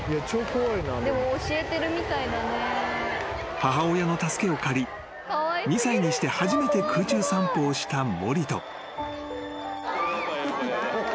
［母親の助けを借り２歳にして初めて空中散歩をしたモリト］